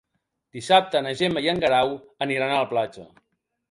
Dissabte na Gemma i en Guerau aniran a la platja.